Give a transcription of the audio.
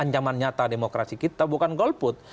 ancaman nyata demokrasi kita bukan golput